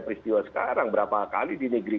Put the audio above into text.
peristiwa sekarang berapa kali di negeri